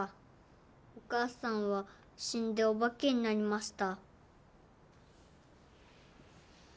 お母さんは死んでお化けになりました。